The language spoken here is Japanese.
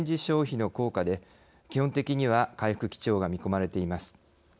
消費の効果で基本的には回復基調が見込まれています。